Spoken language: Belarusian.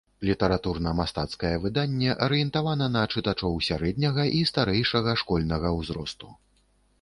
Літаратурна-мастацкае выданне арыентавана на чытачоў сярэдняга і старэйшага школьнага узросту.